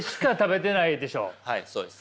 はいそうです。